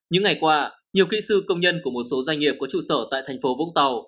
những ngày qua nhiều kỹ sư công nhân của một số doanh nghiệp có trụ sở tại thành phố vũng tàu